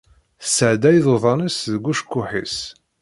Tesεedda iḍudan-is deg ucekkuḥ-is.